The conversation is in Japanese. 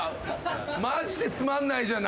マジでつまんないじゃん。